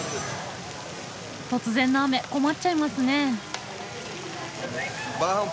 突然の雨困っちゃいますね。